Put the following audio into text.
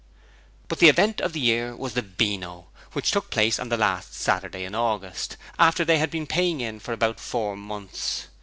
But the event of the year was the Beano, which took place on the last Saturday in August, after they had been paying in for about four months.